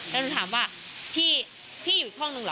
แล้วกันถามว่าพี่พี่อยู่ค่องนึงเหรอ